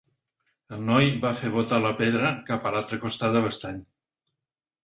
El noi va fer botar la pedra cap a l'altre costat de l'estany.